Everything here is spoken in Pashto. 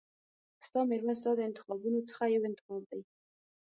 ستا مېرمن ستا د انتخابونو څخه یو انتخاب دی.